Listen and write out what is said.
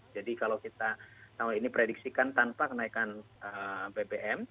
jadi kalau kita tahun ini prediksikan tanpa kenaikan bbm